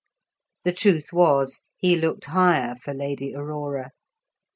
The truth was, he looked higher for Lady Aurora.